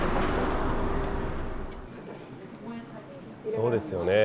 そうですよね。